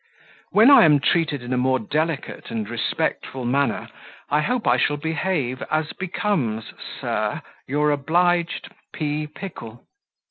When I am treated in a more delicate and respectful manner, I hope I shall behave as becomes, Sir, your obliged "P. Pickle."